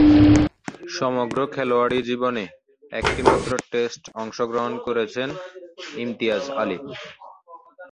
সমগ্র খেলোয়াড়ী জীবনে একটিমাত্র টেস্টে অংশগ্রহণ করেছেন ইমতিয়াজ আলী।